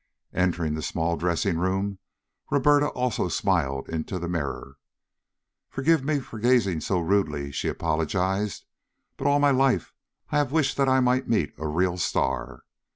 Entering the small dressing room, Roberta also smiled into the mirror. "Forgive me for gazing so rudely," she apologized, "but all my life I have wished that I might meet a real star."